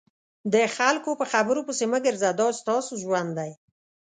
د خلکو په خبرو پسې مه ګرځه دا ستاسو ژوند دی.